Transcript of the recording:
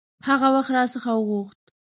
هغه وخت را څخه وغوښت.